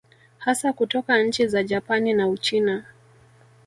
Hasa kutoka nchi za Japani na Uchina